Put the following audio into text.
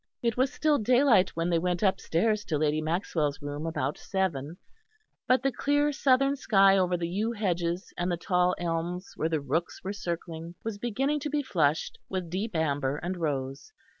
It was still daylight when they went upstairs to Lady Maxwell's room about seven, but the clear southern sky over the yew hedges and the tall elms where the rooks were circling, was beginning to be flushed with deep amber and rose.